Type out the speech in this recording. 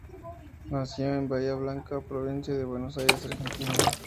Nació en Bahía Blanca, provincia de Buenos Aires, Argentina.